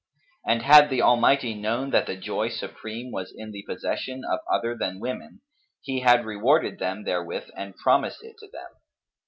And had the Almighty known that the joy supreme was in the possession of other than women, He had rewarded them therewith and promised it to them.